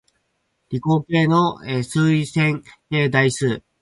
理工系の数理線形代数